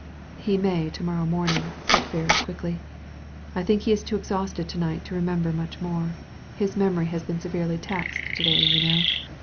"He may to morrow morning," said Ferris^ quickly. "I think he is too exhausted to night to remember much more. His memory has been severely taxed to day, you know.